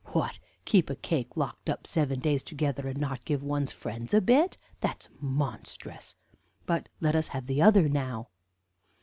What, keep a cake locked up seven days together, and not give one's friends a bit! That is monstrous! But let us have the other now.